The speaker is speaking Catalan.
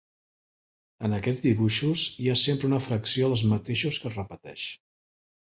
En aquests dibuixos hi ha sempre una fracció dels mateixos que es repeteix.